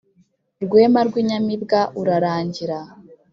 rwema rw'inyamibwa urarangira;